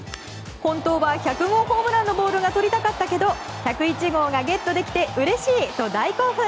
本当は１００号ホームランのボールがとりたかったけど１０１号がゲットできてうれしいと大興奮。